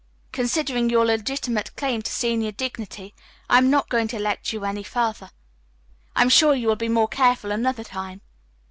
"Considering your legitimate claim to senior dignity, I am not going to lecture you any further. I am sure you will be more careful another time.